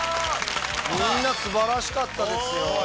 みんな素晴らしかったです。